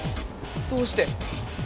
どうして？